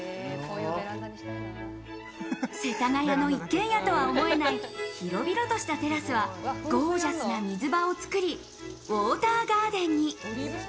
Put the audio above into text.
世田谷の一軒家とは思えない広々としたテラスはゴージャスな水場をつくり、ウォーターガーデンに。